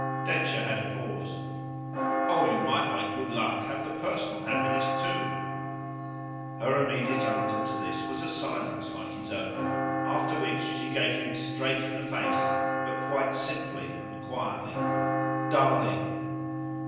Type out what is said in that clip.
Densher had a pause. "Oh you might by good luck have the personal happiness too." Her immediate answer to this was a silence like his own; after which she gave him straight in the face, but quite simply and quietly: "Darling!"